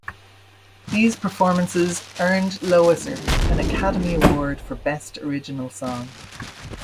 These performances earned Loesser an Academy Award for Best Original Song.